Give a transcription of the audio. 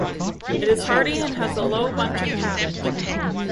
It is hardy and has a low bunching habit.